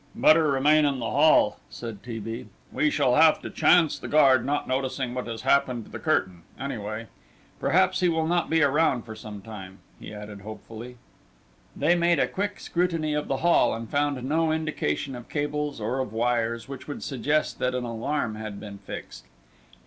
"Better remain in the hall," said T. B. "We shall have to chance the guard not noticing what has happened to the curtain, anyway; perhaps he will not be round for some time," he added, hopefully. They made a quick scrutiny of the hall, and found no indication of cables or of wires which would suggest that an alarm had been fixed.